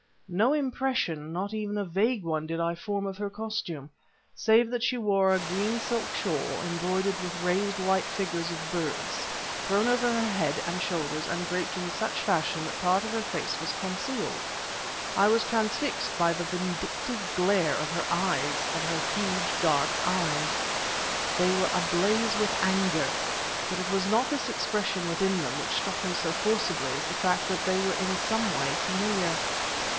No impression, not even a vague one, did I form of her costume, save that she wore a green silk shawl, embroidered with raised white figures of birds, thrown over her head and shoulders and draped in such fashion that part of her face was concealed. I was transfixed by the vindictive glare of her eyes, of her huge dark eyes. They were ablaze with anger but it was not this expression within them which struck me so forcibly as the fact that they were in some way familiar.